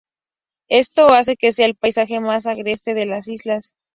Esto hace que sea el paisaje más agreste de las islas.